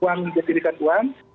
uang dikirimkan uang